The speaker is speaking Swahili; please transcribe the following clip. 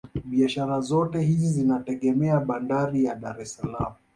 Biashara zote hizi zinategemea bandari ya Dar es salaam